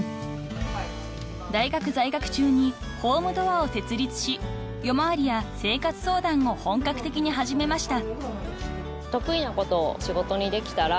［大学在学中にＨｏｍｅｄｏｏｒを設立し夜回りや生活相談を本格的に始めました］